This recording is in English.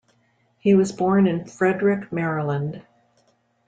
He was born in Frederick, Maryland.